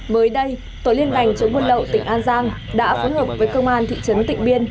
mới đây tổ liên bành chống buôn lậu tỉnh an giang đã phối hợp với công an thị trấn tịnh biên